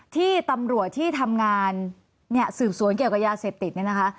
ที่ตำรวจที่ทำงานเนี่ยสืบสวนเกี่ยวกับยาเสพติดเนี่ยนะคะ